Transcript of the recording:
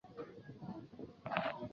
宋徽宗大观元年。